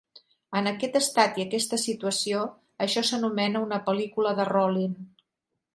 En aquest estat i aquesta situació, això s'anomena una "pel·lícula de Rollin".